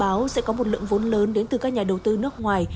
và một lượng vốn ngân hàng tăng lớn đến từ các nhà đầu tư nước ngoài